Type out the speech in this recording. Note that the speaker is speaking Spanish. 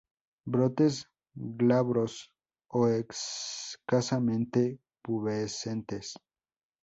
Brotes glabros o escasamente pubescentes.